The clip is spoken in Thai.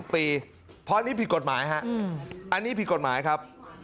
เพราะอันนี้ผิดกฎหมายครับ